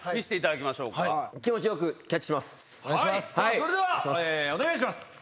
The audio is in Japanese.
それではお願いします。